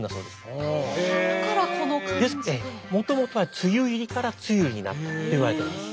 もともとは梅雨入りから栗花落になったといわれています。